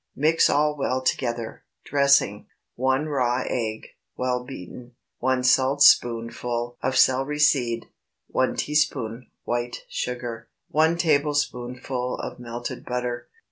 Mix all well together. Dressing. 1 raw egg, well beaten. 1 saltspoonful of celery seed. 1 teaspoonful white sugar. 1 tablespoonful of melted butter.